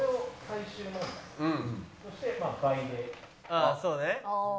ああそうね。